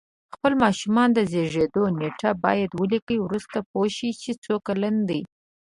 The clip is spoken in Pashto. خپل ماشومانو د زیږېدو نېټه باید ولیکئ وروسته پوه شی چې څو کلن دی